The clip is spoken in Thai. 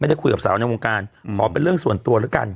ได้คุยกับสาวในวงการขอเป็นเรื่องส่วนตัวแล้วกัน